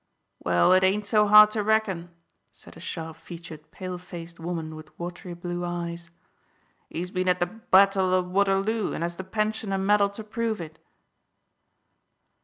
"Well, it ain't so hard to reckon," said a sharp featured pale faced woman with watery blue eyes. "He's been at the battle o' Waterloo, and has the pension and medal to prove it."